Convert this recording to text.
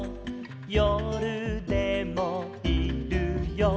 「よるでもいるよ」